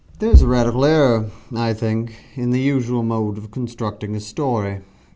There is a radical error, I think, in the usual mode of constructing a story.